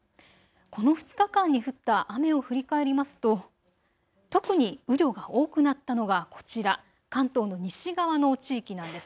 この２日間に降った雨を振り返りますと特に雨量が多くなったのがこちら、関東の西側の地域なんです。